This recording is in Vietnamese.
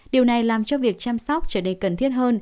điều này làm cho việc chăm sóc trở nên cần thiết hơn